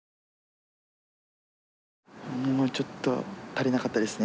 まあちょっと足りなかったですね